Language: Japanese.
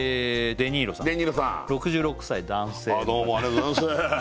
デニーロさんどうもありがとうございます